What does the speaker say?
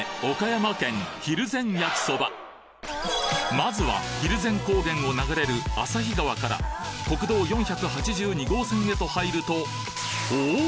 まずは蒜山高原を流れる旭川から国道４８２号線へと入るとおお！